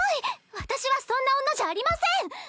私はそんな女じゃありません！